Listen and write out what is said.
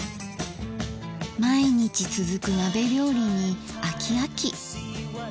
毎日続く鍋料理に飽き飽き。